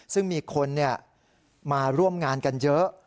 ซึ่งมีคนมาร่วมงานกันเยอะ